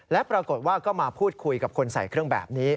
และปรากฏว่าก็มาพูดคุยกับคนใส่เครื่องแบบนี้